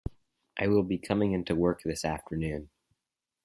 I will be coming into work this afternoon.